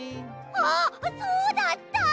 あっそうだった！